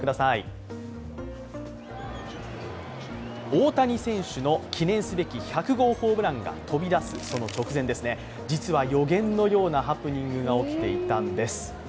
大谷選手の記念すべき１００号ホームランが飛び出す直前実は予言のようなハプニングが起きていたんです。